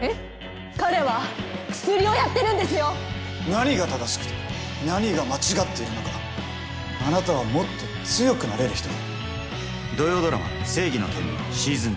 何が正しくて何が間違っているのかあなたはもっと強くなれる人だ。